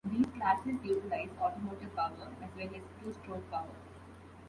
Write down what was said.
These classes utilize automotive power, as well as two-stroke power.